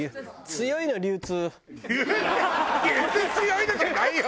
「流通強いの」じゃないよ